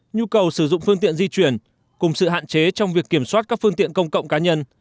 nhu cầu sử dụng phương tiện di chuyển cùng sự hạn chế trong việc kiểm soát các phương tiện công cộng cá nhân